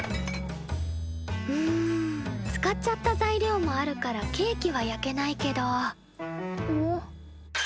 ん使っちゃった材料もあるからケーキは焼けないけど。